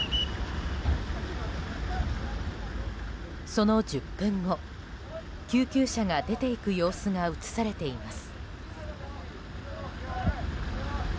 その１０分後、救急車が出ていく様子が映されています。